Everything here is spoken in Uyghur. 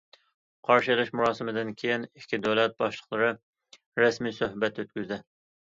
قارشى ئېلىش مۇراسىمىدىن كېيىن، ئىككى دۆلەت باشلىقلىرى رەسمىي سۆھبەت ئۆتكۈزدى.